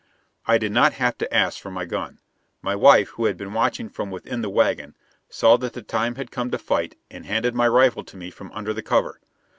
I did not have to ask for my gun. My wife, who had been watching from within the wagon, saw that the time had come to fight and handed my rifle to me from under the cover.